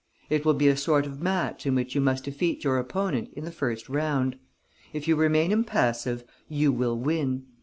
It will be a sort of match in which you must defeat your opponent in the first round. If you remain impassive, you will win.